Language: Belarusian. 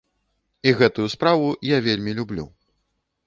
І гэтую справу я вельмі люблю.